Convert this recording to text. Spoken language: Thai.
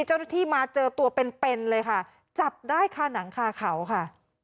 เจ้าหน้าที่มาเจอตัวเป็นเป็นเลยค่ะจับได้ค่ะหนังคาเขาค่ะ